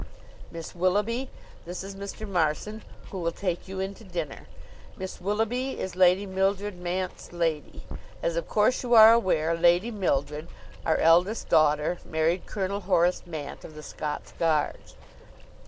"Miss Willoughby, this is Mr. Marson, who will take you in to dinner. Miss Willoughby is Lady Mildred Mant's lady. As of course you are aware, Lady Mildred, our eldest daughter, married Colonel Horace Mant, of the Scots Guards."